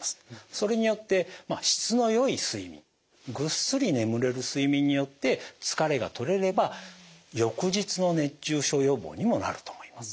それによって質のよい睡眠ぐっすり眠れる睡眠によって疲れが取れれば翌日の熱中症予防にもなると思います。